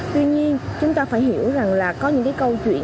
tuy nhiên chúng ta phải hiểu rằng là có những cái câu chuyện